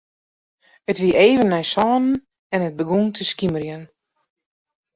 It wie even nei sânen en it begûn te skimerjen.